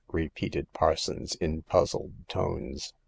" repeated Parsons, in puzzled tones.